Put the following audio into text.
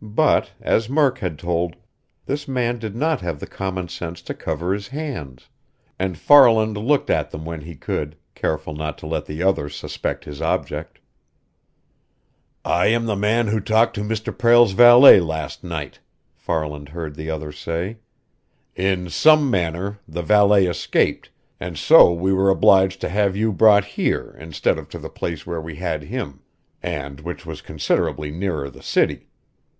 But, as Murk had told, this man did not have the common sense to cover his hands, and Farland looked at them when he could, careful not to let the other suspect his object. "I am the man who talked to Mr. Prale's valet last night," Farland heard the other say. "In some manner, the valet escaped, and so we were obliged to have you brought here instead of to the place where we had him, and which was considerably nearer the city.